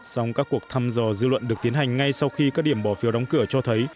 song các cuộc thăm dò dư luận được tiến hành ngay sau khi các điểm bỏ phiếu đóng cửa cho thấy